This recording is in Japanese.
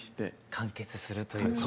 完結するということで。